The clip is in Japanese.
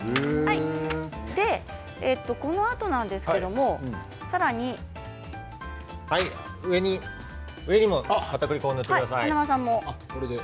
このあとなんですけれど上にもかたくり粉を塗ってください。